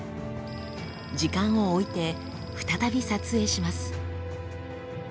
時間を置いて再び撮影します。